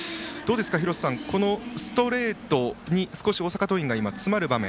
廣瀬さん、ストレートに大阪桐蔭が詰まる場面。